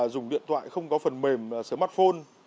dùng điện thoại không có phần mềm smartphone